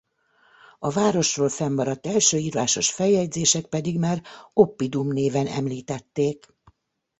A városról fennmaradt első írásos feljegyzések pedig már oppidum néven említették.